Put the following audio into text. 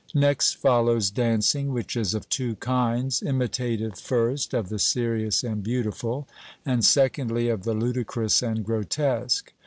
Next follows dancing, which is of two kinds; imitative, first, of the serious and beautiful; and, secondly, of the ludicrous and grotesque.